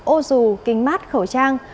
ô rù kính mát khẩu trang